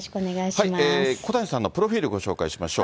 小谷さんのプロフィールご紹介しましょう。